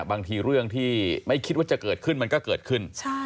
บางทีเรื่องที่ไม่คิดว่าจะเกิดขึ้นมันก็เกิดขึ้น